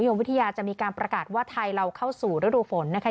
มวิทยาจะมีการประกาศว่าไทยเราเข้าสู่ฤดูฝนนะคะ